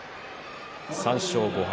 ３勝５敗